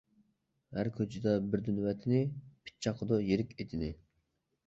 ھەر كوچىدا بىردىن ۋەتىنى، پىت چاقىدۇ يىرىك ئېتىنى.